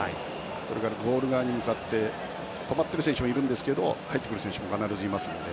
それからゴール側に向かって止まっている選手もいるんですが入ってくる選手も必ずいますので。